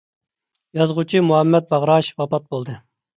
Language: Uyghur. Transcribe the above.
يازغۇچى مۇھەممەت باغراش ۋاپات بولدى.